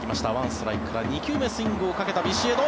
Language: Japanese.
１ストライクから２球目スイングをかけたビシエド。